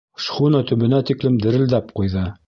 Шхуна төбөнә тиклем дерелдәп ҡуйҙы.